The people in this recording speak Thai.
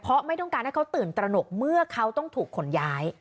เพราะไม่ต้องการให้เขาตื่นตระหนกเมื่อเขาต้องถูกขนย้าย